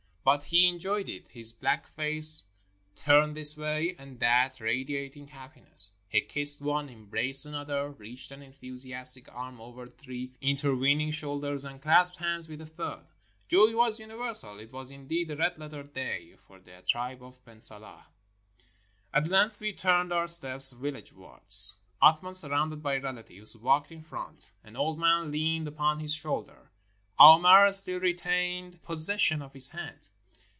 But — he enjoyed it. His black face turned this way and that, radiating happiness. He kissed one — embraced an other — reached an enthusiastic arm over three inter vening shoulders, and clasped hands with a third. Joy was universal — it was, indeed, a red letter day for the tribe of Ben Salah. At length we turned our steps villagewards. Athman, surrounded by relatives, walked in front. An old man leaned upon his shoulder — Aouimer still retained pos session of his hand.